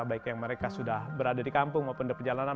baik yang mereka sudah berada di kampung maupun di perjalanan